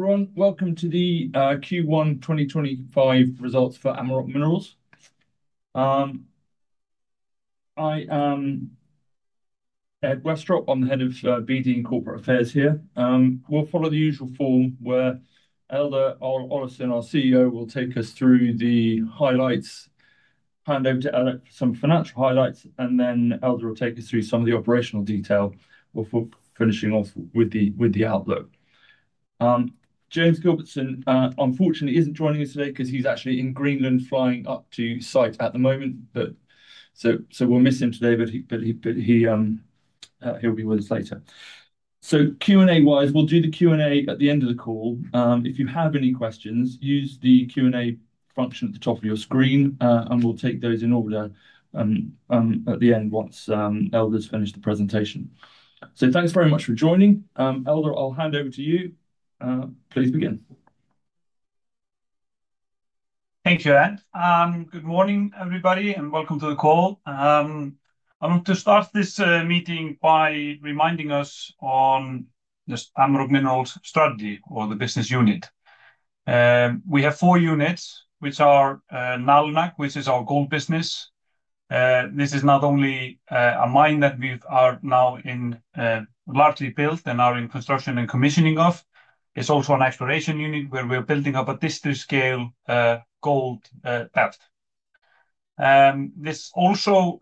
Everyone, welcome to the Q1 2025 results for Amaroq Minerals. I am Edward Westropp, I'm the Head of BD and Corporate Affairs here. We'll follow the usual form where Eldur Olafsson, our CEO, will take us through the highlights, hand over to Ellert for some financial highlights, and then Eldur will take us through some of the operational detail before finishing off with the outlook. James Gilbertson, unfortunately, isn't joining us today because he's actually in Greenland flying up to site at the moment, so we'll miss him today, but he'll be with us later. Q&A-wise, we'll do the Q&A at the end of the call. If you have any questions, use the Q&A function at the top of your screen, and we'll take those in order at the end once Eldur's finished the presentation. Thanks very much for joining. Eldur, I'll hand over to you. Please begin. Thank you, Ed. Good morning, everybody, and welcome to the call. I want to start this meeting by reminding us on the Amaroq Minerals strategy or the business unit. We have four units, which are Nalunaq, which is our gold business. This is not only a mine that we are now largely built and are in construction and commissioning of. It's also an exploration unit where we're building up a district-scale gold path. This also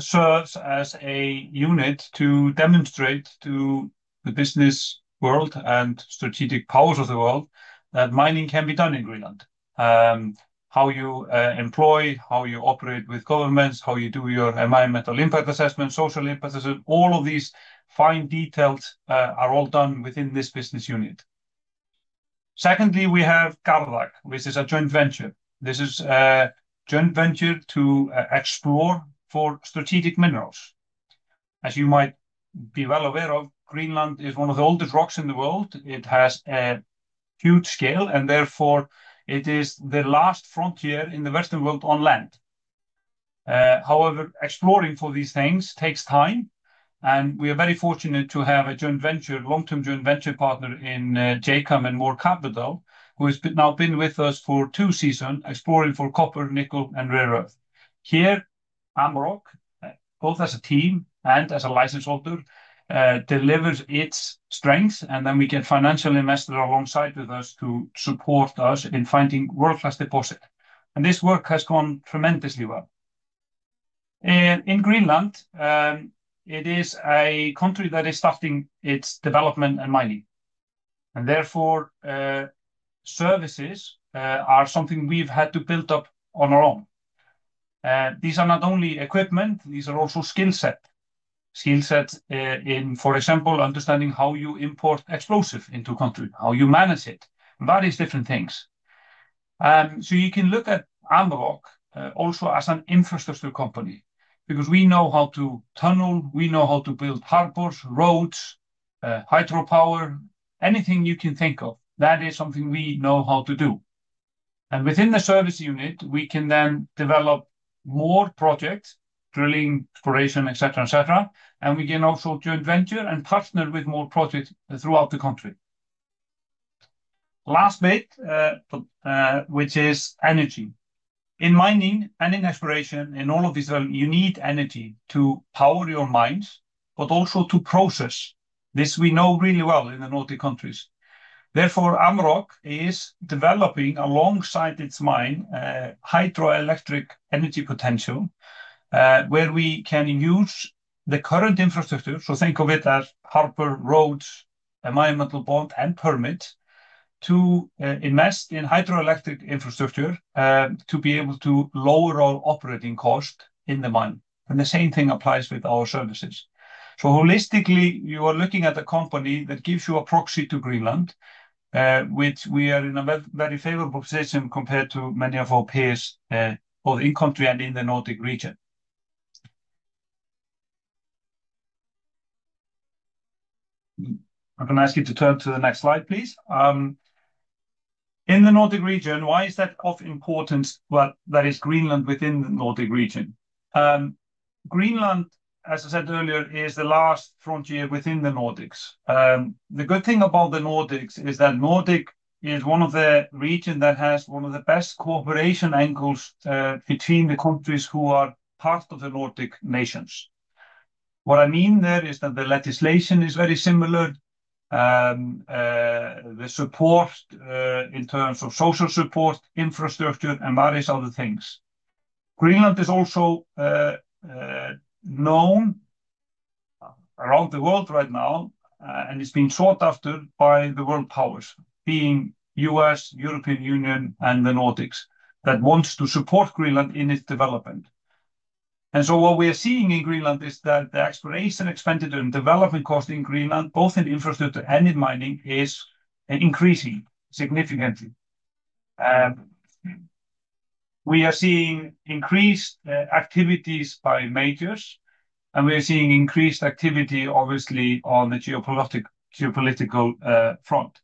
serves as a unit to demonstrate to the business world and strategic powers of the world that mining can be done in Greenland. How you employ, how you operate with governments, how you do your environmental impact assessment, social impact assessment, all of these fine details are all done within this business unit. Secondly, we have Gardaq, which is a joint venture. This is a joint venture to explore for strategic minerals. As you might be well aware of, Greenland is one of the oldest rocks in the world. It has a huge scale, and therefore it is the last frontier in the Western world on land. However, exploring for these things takes time, and we are very fortunate to have a joint venture, long-term joint venture partner in JCAM and Moore Capital, who has now been with us for two seasons, exploring for copper, nickel, and rare earth. Here, Amaroq, both as a team and as a licensed holder, delivers its strengths, and then we get financial investors alongside with us to support us in finding world-class deposits. This work has gone tremendously well. In Greenland, it is a country that is starting its development and mining. Therefore, services are something we've had to build up on our own. These are not only equipment, these are also skill sets. Skill sets in, for example, understanding how you import explosives into a country, how you manage it, various different things. You can look at Amaroq also as an infrastructure company because we know how to tunnel, we know how to build harbors, roads, hydropower, anything you can think of. That is something we know how to do. Within the service unit, we can then develop more projects, drilling, exploration, etc., etc. We can also joint venture and partner with more projects throughout the country. Last bit, which is energy. In mining and in exploration, in all of these realms, you need energy to power your mines, but also to process. This we know really well in the Nordic countries. Therefore, Amaroq is developing alongside its mine hydroelectric energy potential, where we can use the current infrastructure, so think of it as harbor, roads, environmental bond, and permit to invest in hydroelectric infrastructure to be able to lower our operating cost in the mine. The same thing applies with our services. Holistically, you are looking at a company that gives you a proxy to Greenland, which we are in a very favorable position compared to many of our peers, both in country and in the Nordic region. I'm going to ask you to turn to the next slide, please. In the Nordic region, why is that of importance? That is Greenland within the Nordic region. Greenland, as I said earlier, is the last frontier within the Nordics. The good thing about the Nordics is that Nordic is one of the regions that has one of the best cooperation angles between the countries who are part of the Nordic nations. What I mean there is that the legislation is very similar, the support in terms of social support, infrastructure, and various other things. Greenland is also known around the world right now, and it is being sought after by the world powers, being the U.S., European Union, and the Nordics, that want to support Greenland in its development. What we are seeing in Greenland is that the exploration expenditure and development cost in Greenland, both in infrastructure and in mining, is increasing significantly. We are seeing increased activities by majors, and we are seeing increased activity, obviously, on the geopolitical front.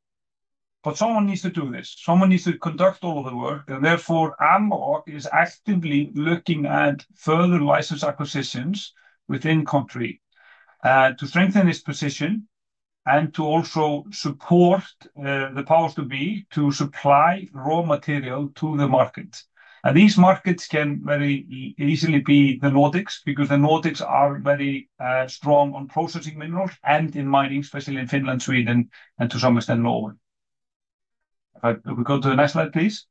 Someone needs to do this. Someone needs to conduct all of the work, and therefore Amaroq is actively looking at further license acquisitions within the country to strengthen its position and to also support the powers to be to supply raw material to the market. These markets can very easily be the Nordics because the Nordics are very strong on processing minerals and in mining, especially in Finland, Sweden, and to some extent Norway. If I could go to the next slide, please.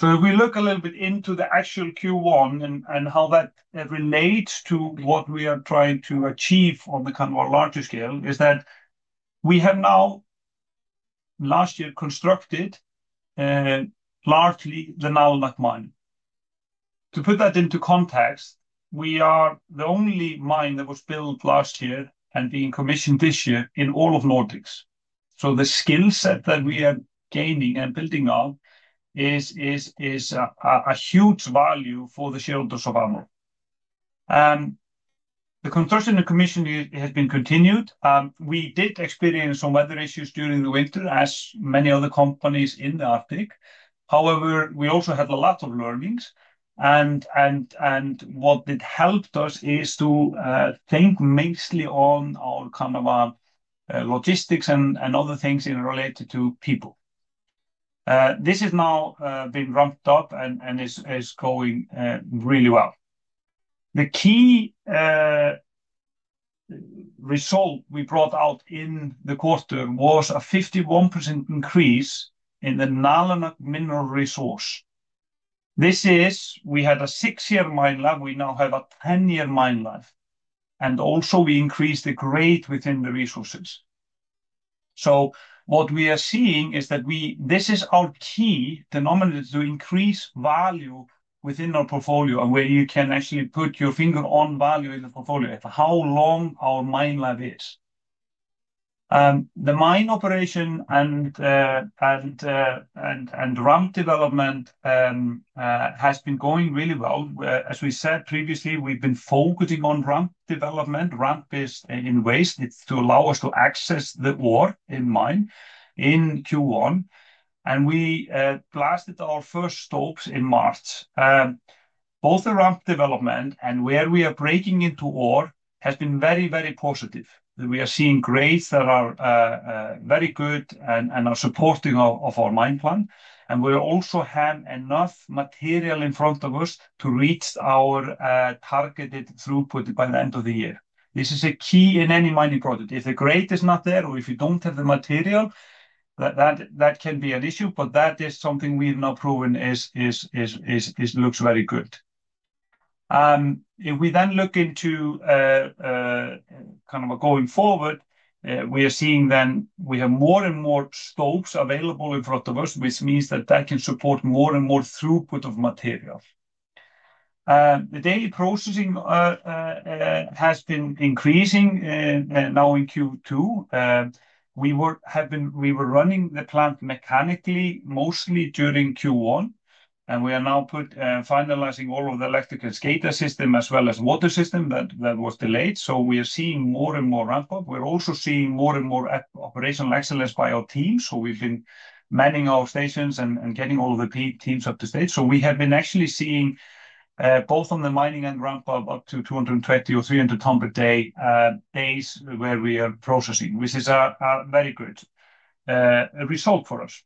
If we look a little bit into the actual Q1 and how that relates to what we are trying to achieve on the kind of our larger scale, is that we have now, last year, constructed largely the Nalunaq mine. To put that into context, we are the only mine that was built last year and being commissioned this year in all of Nordics. The skill set that we are gaining and building on is a huge value for the shareholders of Amaroq. The construction and commissioning has been continued. We did experience some weather issues during the winter, as many other companies in the Arctic. However, we also had a lot of learnings. What did help us is to think mostly on our kind of logistics and other things related to people. This has now been ramped up and is going really well. The key result we brought out in the quarter was a 51% increase in the Nalunaq mineral resource. This is, we had a six-year mine life, we now have a 10-year mine life, and also we increased the grade within the resources. What we are seeing is that this is our key denominator to increase value within our portfolio and where you can actually put your finger on value in the portfolio, how long our mine life is. The mine operation and ramp development has been going really well. As we said previously, we've been focusing on ramp development, ramp based in waste, to allow us to access the ore in mine in Q1. We blasted our first stops in March. Both the ramp development and where we are breaking into ore has been very, very positive. We are seeing grades that are very good and are supporting our mine plan. We also have enough material in front of us to reach our targeted throughput by the end of the year. This is a key in any mining project. If the grade is not there or if you don't have the material, that can be an issue, but that is something we have now proven looks very good. If we then look into kind of going forward, we are seeing then we have more and more stops available in front of us, which means that that can support more and more throughput of material. The daily processing has been increasing now in Q2. We were running the plant mechanically mostly during Q1, and we are now finalizing all of the electrical scatter system as well as water system that was delayed. We are seeing more and more ramp up. We are also seeing more and more operational excellence by our team. We have been manning our stations and getting all of the teams up to date. We have been actually seeing both on the mining and ramp up to 220 or 300 tons a day days where we are processing, which is a very good result for us.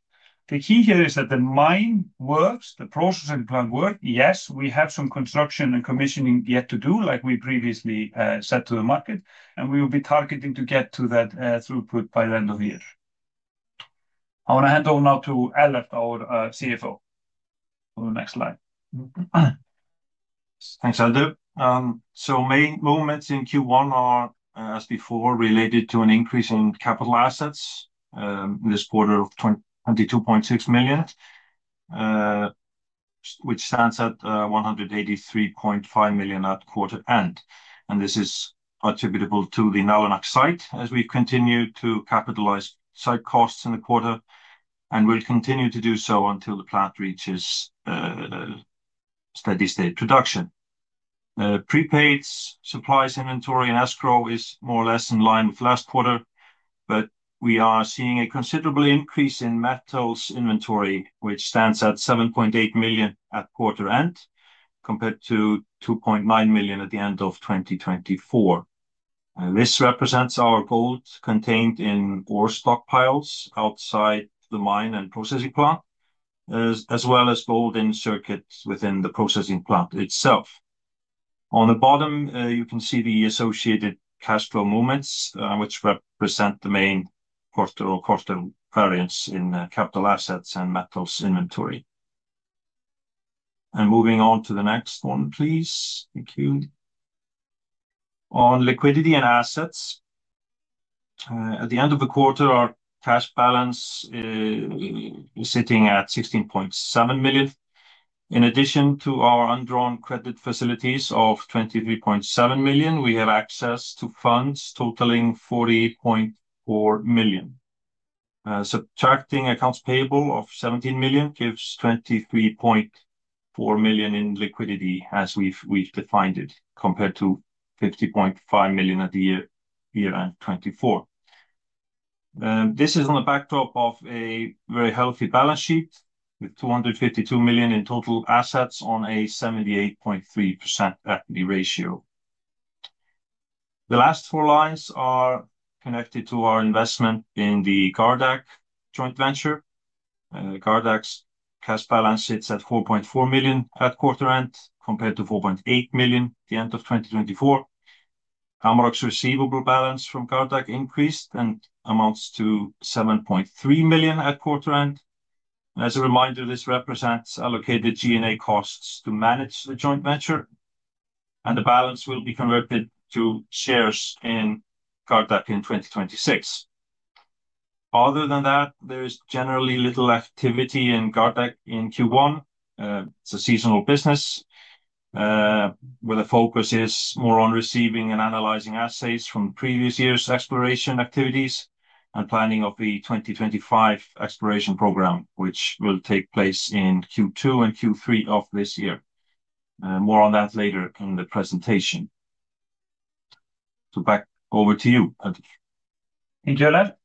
The key here is that the mine works, the processing plant works. Yes, we have some construction and commissioning yet to do, like we previously said to the market, and we will be targeting to get to that throughput by the end of the year. I want to hand over now to Ellert, our CFO. Next slide. Thanks, Eldur. Main movements in Q1 are, as before, related to an increase in capital assets in this quarter of 22.6 million, which stands at 183.5 million at quarter end. This is attributable to the Nalunaq site as we continue to capitalize site costs in the quarter and will continue to do so until the plant reaches steady-state production. Prepaid supplies inventory and escrow is more or less in line with last quarter, but we are seeing a considerable increase in metals inventory, which stands at 7.8 million at quarter end compared to 2.9 million at the end of 2024. This represents our gold contained in ore stockpiles outside the mine and processing plant, as well as gold in circuits within the processing plant itself. On the bottom, you can see the associated cash flow movements, which represent the main quarter-on-quarter variance in capital assets and metals inventory. Moving on to the next one, please. Thank you. On liquidity and assets, at the end of the quarter, our cash balance is sitting at 16.7 million. In addition to our undrawn credit facilities of 23.7 million, we have access to funds totaling 40.4 million. Subtracting accounts payable of 17 million gives 23.4 million in liquidity, as we've defined it, compared to 50.5 million at the year-end 2024. This is on the backdrop of a very healthy balance sheet with 252 million in total assets on a 78.3% equity ratio. The last four lines are connected to our investment in the Gardaq joint-venture. Gardaq's cash balance sits at 4.4 million at quarter end compared to 4.8 million at the end of 2024. Amaroq's receivable balance from Gardaq increased and amounts to 7.3 million at quarter end. As a reminder, this represents allocated G&A costs to manage the joint venture, and the balance will be converted to shares in Gardaq in 2026. Other than that, there is generally little activity in Gardaq in Q1. It is a seasonal business with a focus more on receiving and analyzing assets from previous year's exploration activities and planning of the 2025 exploration program, which will take place in Q2 and Q3 of this year. More on that later in the presentation. Back over to you, Eldur. Thank you, Ellert.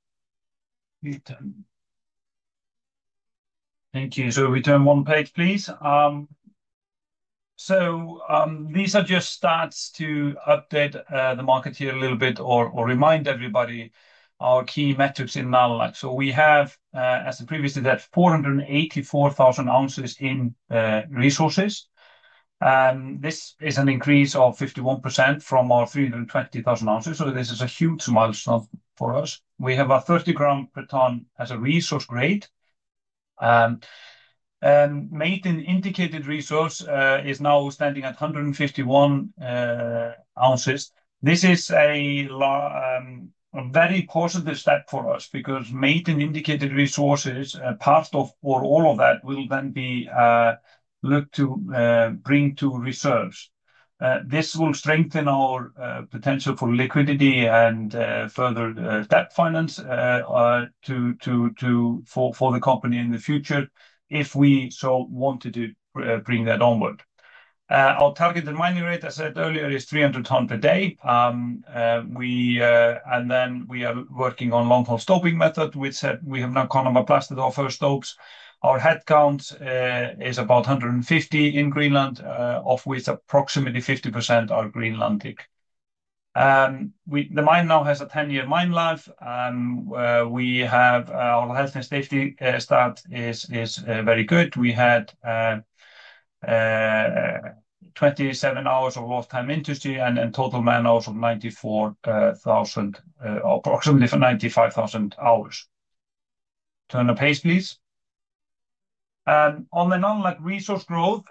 Thank you. Turn one page, please. These are just stats to update the market here a little bit or remind everybody our key metrics in Nalunaq. We have, as I previously said, 484,000 ounces in resources. This is an increase of 51% from our 320,000 ounces. This is a huge milestone for us. We have a 30 gram per ton as a resource grade. Maintenance indicated resource is now standing at 151 ounces. This is a very positive step for us because maintenance indicated resource is part of all of that, will then be looked to bring to reserves. This will strengthen our potential for liquidity and further debt finance for the company in the future if we so wanted to bring that onward. Our targeted mining rate, as I said earlier, is 300 tons a day. We are working on long-haul stopping method, which we have now kind of blasted our first stops. Our headcount is about 150 in Greenland, of which approximately 50% are Greenlandic. The mine now has a 10-year mine life. Our health and safety stat is very good. We had 27 hours of lost time injury and total man hours of approximately 95,000 hours. Turn the page, please. On the Nalunaq resource growth,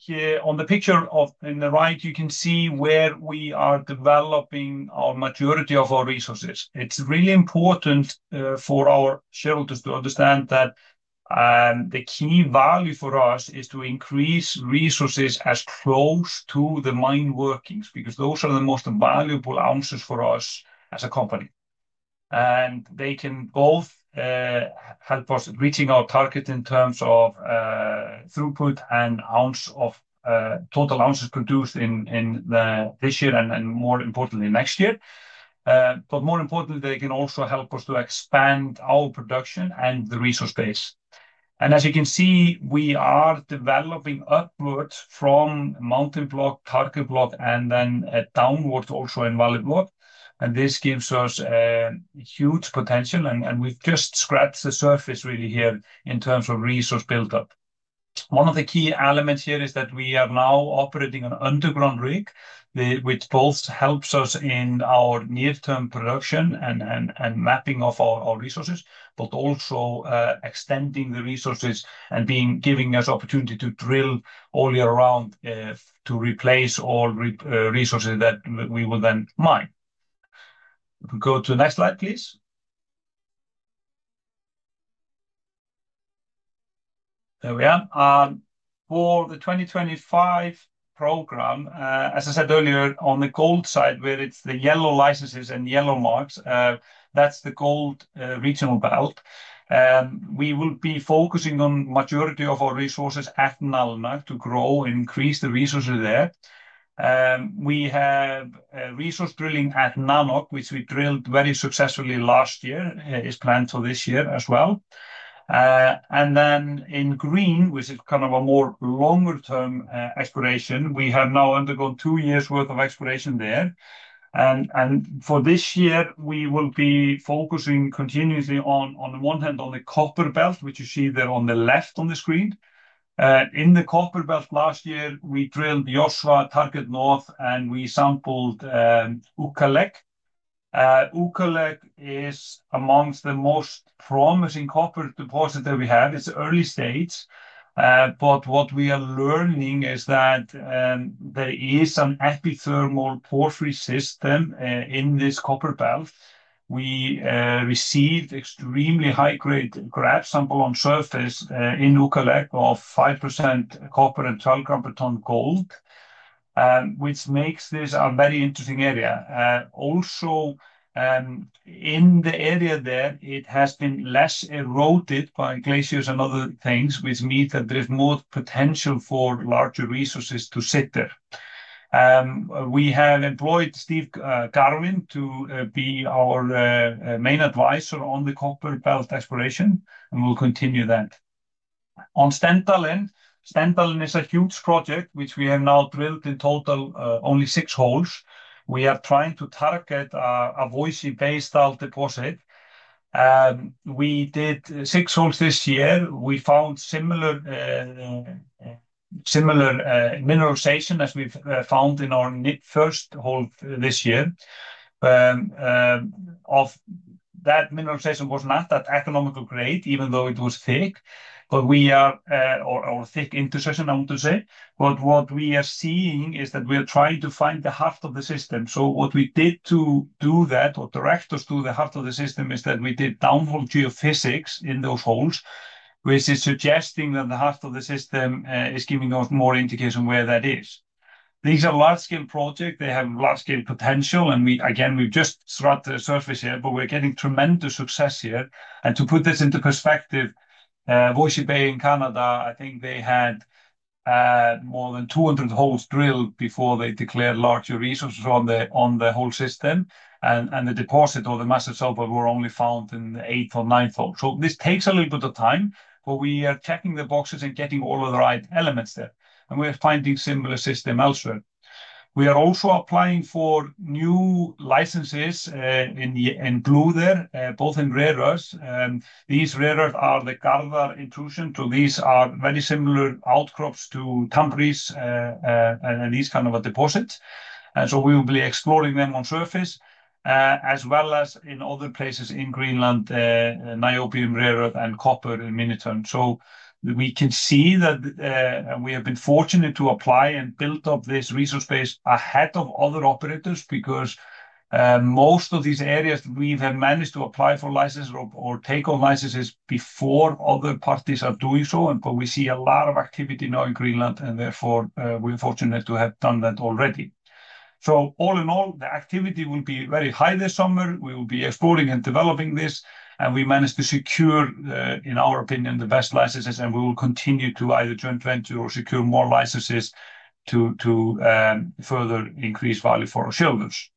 here on the picture on the right, you can see where we are developing our majority of our resources. It's really important for our shareholders to understand that the key value for us is to increase resources as close to the mine workings because those are the most valuable ounces for us as a company. They can both help us reaching our target in terms of throughput and total ounces produced this year and, more importantly, next year. More importantly, they can also help us to expand our production and the resource base. As you can see, we are developing upwards from mountain block, target block, and then downwards also in valley block. This gives us huge potential, and we've just scratched the surface really here in terms of resource buildup. One of the key elements here is that we are now operating an underground rig, which both helps us in our near-term production and mapping of our resources, but also extending the resources and giving us the opportunity to drill all year round to replace all resources that we will then mine. Go to the next slide, please. There we are. For the 2025 program, as I said earlier, on the gold side, where it is the yellow licenses and yellow marks, that is the gold regional belt. We will be focusing on the majority of our resources at Nalunaq to grow and increase the resources there. We have resource drilling at Nanoq, which we drilled very successfully last year, is planned for this year as well. In green, which is kind of a more longer-term exploration, we have now undergone two years' worth of exploration there. For this year, we will be focusing continuously on, on the one hand, on the Copper Belt, which you see there on the left on the screen. In the Copper Belt last year, we drilled Josva Target North, and we sampled Ukaleq. Ukaleq is amongst the most promising copper deposit that we have. It is early stage. What we are learning is that there is an epithermal porphyry system in this Copper Belt. We received extremely high-grade grab sample on surface in Ukaleq of 5% copper and 12 gram per ton gold, which makes this a very interesting area. Also, in the area there, it has been less eroded by glaciers and other things, which means that there is more potential for larger resources to sit there. We have employed Steve Garwin to be our main advisor on the Copper Belt exploration, and we'll continue that. On Stendalen, Stendalen is a huge project, which we have now drilled in total only six holes. We are trying to target a Voisey's Bay deposit. We did six holes this year. We found similar mineralization as we found in our first hole this year. Of that mineralization was not that economical grade, even though it was thick, but we are our thick intersection, I want to say. What we are seeing is that we are trying to find the heart of the system. What we did to do that, or that directs us to the heart of the system, is that we did downhole geophysics in those holes, which is suggesting that the heart of the system is giving us more indication where that is. These are large-scale projects. They have large-scale potential. We have just scratched the surface here, but we are getting tremendous success here. To put this into perspective, Voisey's Bay in Canada, I think they had more than 200 holes drilled before they declared larger resources on the whole system. The deposit or the massive sample were only found in the eighth or ninth hole. This takes a little bit of time, but we are checking the boxes and getting all of the right elements there. We are finding similar systems elsewhere. We are also applying for new licenses in blue there, both in rare earths. These rare earths are the Carvar Intrusion. These are very similar outcrops to Tambris and these kind of deposits. We will be exploring them on surface, as well as in other places in Greenland, niobium rare earth and copper in mini turn. We can see that we have been fortunate to apply and build up this resource base ahead of other operators because most of these areas we have managed to apply for licenses or take on licenses before other parties are doing so. We see a lot of activity now in Greenland, and therefore we are fortunate to have done that already. All in all, the activity will be very high this summer. We will be exploring and developing this, and we managed to secure, in our opinion, the best licenses, and we will continue to either joint venture or secure more licenses to further increase value for our shareholders.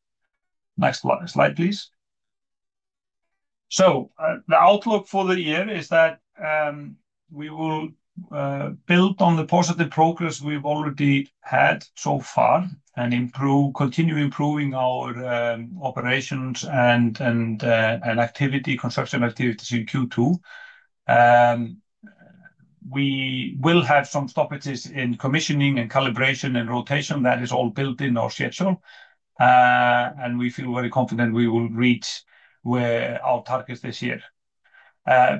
Next slide, please. The outlook for the year is that we will build on the positive progress we've already had so far and continue improving our operations and construction activities in Q2. We will have some stoppages in commissioning and calibration and rotation. That is all built in our schedule. We feel very confident we will reach our targets this year,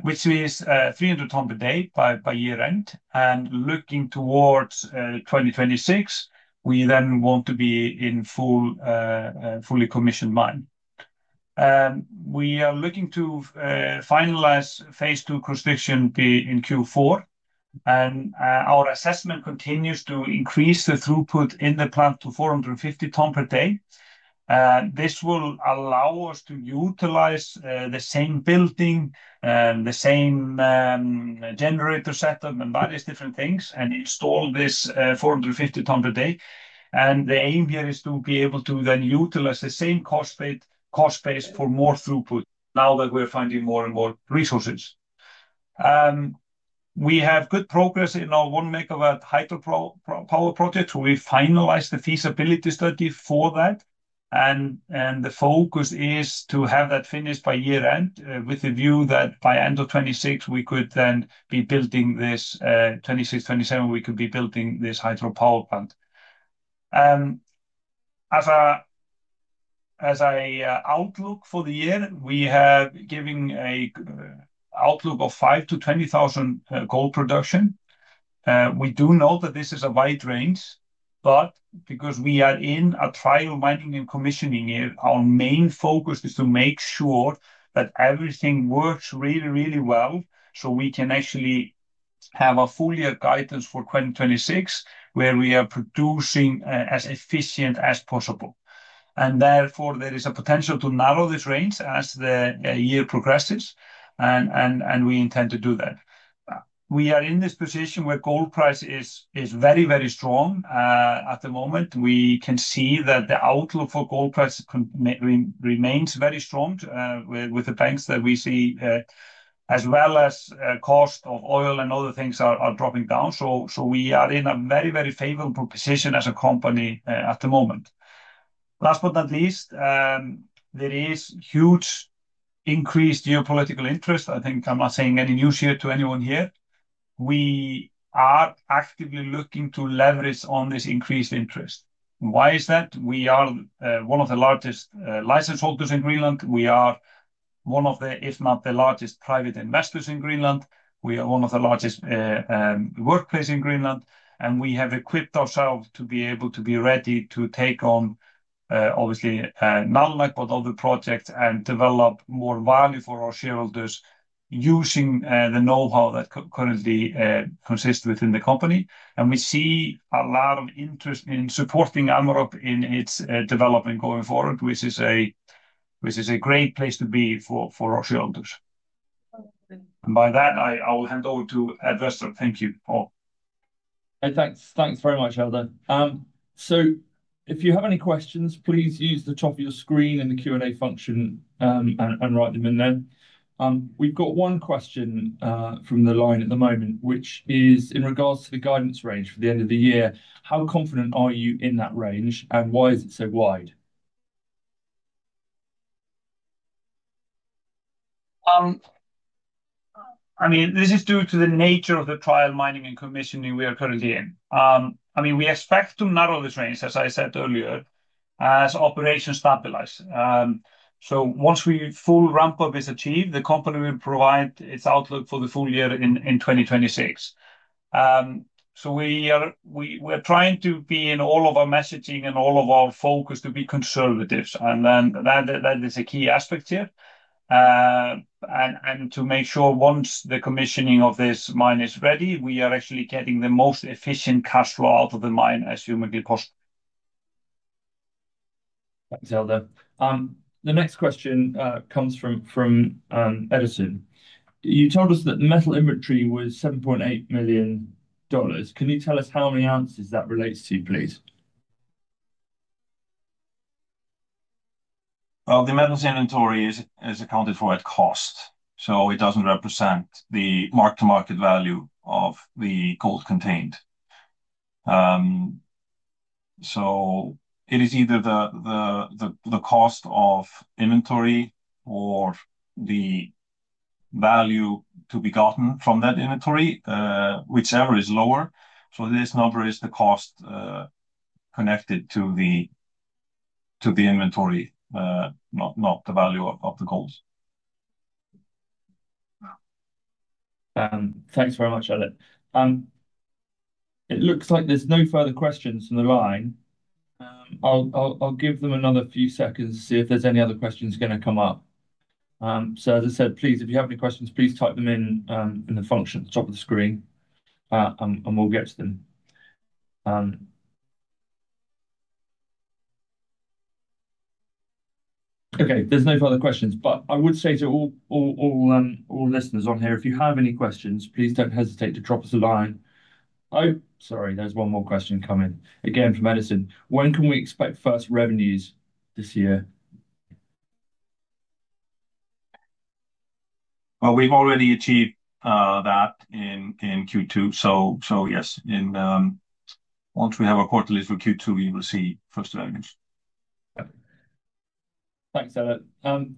which is 300 tons a day by year-end. Looking towards 2026, we then want to be in a fully commissioned mine. We are looking to finalize phase two construction in Q4. Our assessment continues to increase the throughput in the plant to 450 tons per day. This will allow us to utilize the same building, the same generator setup, and various different things, and install this 450 tons per day. The aim here is to be able to then utilize the same cost base for more throughput now that we're finding more and more resources. We have good progress in our one megawatt hydropower project. We finalized the feasibility study for that. The focus is to have that finished by year-end with the view that by the end of 2026, we could then be building this. In 2026-2027, we could be building this hydropower plant. As an outlook for the year, we have given an outlook of 5,000-20,000 gold production. We do know that this is a wide range, but because we are in a trial mining and commissioning year, our main focus is to make sure that everything works really, really well so we can actually have a full year guidance for 2026 where we are producing as efficient as possible. Therefore, there is a potential to narrow this range as the year progresses, and we intend to do that. We are in this position where gold price is very, very strong at the moment. We can see that the outlook for gold price remains very strong with the banks that we see, as well as the cost of oil and other things are dropping down. We are in a very, very favorable position as a company at the moment. Last but not least, there is huge increased geopolitical interest. I think I'm not saying any news here to anyone here. We are actively looking to leverage on this increased interest. Why is that? We are one of the largest license holders in Greenland. We are one of the, if not the largest private investors in Greenland. We are one of the largest workplaces in Greenland. We have equipped ourselves to be able to be ready to take on, obviously, Nalunaq, but other projects and develop more value for our shareholders using the know-how that currently exists within the company. We see a lot of interest in supporting Amaroq in its development going forward, which is a great place to be for our shareholders. By that, I will hand over to Edward. Thank you all. Thanks very much, Eldur. If you have any questions, please use the top of your screen in the Q&A function and write them in there. We've got one question from the line at the moment, which is in regards to the guidance range for the end of the year. How confident are you in that range, and why is it so wide? I mean, this is due to the nature of the trial mining and commissioning we are currently in. I mean, we expect to narrow this range, as I said earlier, as operations stabilize. Once full ramp-up is achieved, the company will provide its outlook for the full year in 2026. We are trying to be in all of our messaging and all of our focus to be conservative. That is a key aspect here. To make sure once the commissioning of this mine is ready, we are actually getting the most efficient cash flow out of the mine as humanly possible. Thanks, Eldur. The next question comes from Edison. You told us that the metal inventory was 7.8 million dollars. Can you tell us how many ounces that relates to, please? The metal's inventory is accounted for at cost. It does not represent the mark-to-market value of the gold contained. It is either the cost of inventory or the value to be gotten from that inventory, whichever is lower. This number is the cost connected to the inventory, not the value of the gold. Thanks very much, Ellert. It looks like there's no further questions from the line. I'll give them another few seconds to see if there's any other questions going to come up. As I said, please, if you have any questions, please type them in the function at the top of the screen, and we'll get to them. Okay, there's no further questions. I would say to all listeners on here, if you have any questions, please don't hesitate to drop us a line. Oh, sorry, there's one more question coming again from Edison. When can we expect first revenues this year? We've already achieved that in Q2. Yes, once we have a quarterly for Q2, we will see first revenues. Thanks, Ellert.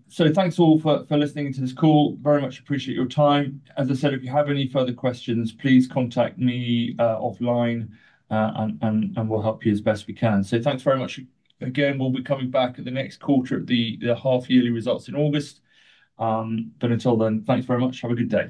So thanks all for listening to this call. Very much appreciate your time. As I said, if you have any further questions, please contact me offline, and we'll help you as best we can. So thanks very much again. We'll be coming back at the next quarter or the half-yearly results in August. But until then, thanks very much. Have a good day.